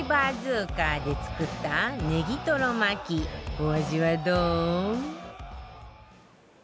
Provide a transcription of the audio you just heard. お味はどう？